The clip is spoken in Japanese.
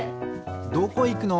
どこいくの？